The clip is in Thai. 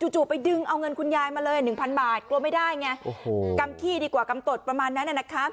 จู่ไปดึงเอาเงินคุณยายมาเลย๑๐๐บาทกลัวไม่ได้ไงกำขี้ดีกว่ากำตดประมาณนั้นนะคะ